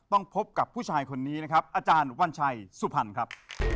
พบกับผู้ชายคนนี้นะครับอาจารย์วัญชัยสุพรรณครับ